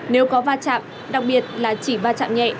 nếu có va chạm đặc biệt là chỉ va chạm nhẹ